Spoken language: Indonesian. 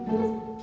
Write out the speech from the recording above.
aku mau ke rumah